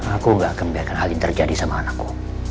aku gak akan membiarkan hal ini terjadi sama anakku